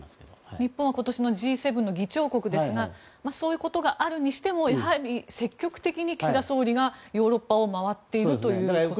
日本は今年のＧ７の議長国ですがそういうことがあるにしてもやはり積極的に岸田総理がヨーロッパを回っているということなんでしょうか。